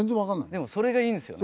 でもそれがいいんですよね。